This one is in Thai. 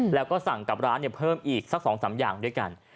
แล้วก็สั่งกับร้านเพิ่มอีกสัก๒๓อย่างด้วยกัน